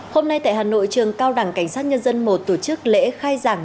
hôm nay tại hà nội trường cao đảng cảnh sát nhân dân i tổ chức lễ khai giảng